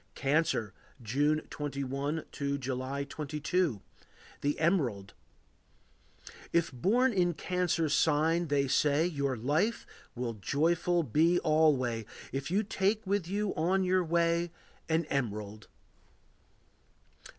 Cancer. June 21 to July 22. The Emerald. If born in Cancer's sign, they say, Your life will joyful be alway, If you take with you on your way An emerald.